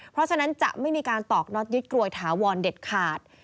เพราะฉะนั้นจะไม่มีการตอกน็อตยึดกรวยถาวรเด็ดขาด